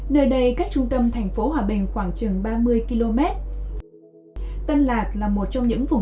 nơi đây cách trung tâm thành phố hòa bình khoảng chừng ba mươi km